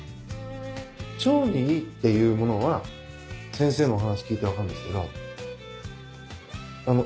腸にいいっていうものは先生のお話聞いて分かるんですけどあの。